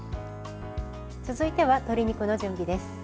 続いては、鶏肉の準備です。